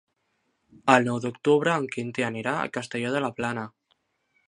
El nou d'octubre en Quintí anirà a Castelló de la Plana.